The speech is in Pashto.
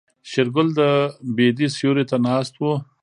شېرګل د بيدې سيوري ته ناست و.